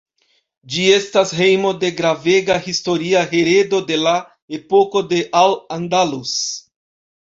Ĝi estas hejmo de gravega historia heredo de la epoko de Al Andalus.